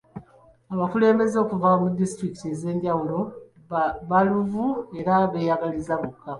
Abakulembeze okuva ku disitulikiti ez'enjawulo baluvu era beeyagaliza bokka.